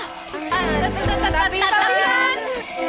tapi tapi tapi tapi tapi